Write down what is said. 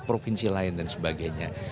provinsi lain dan sebagainya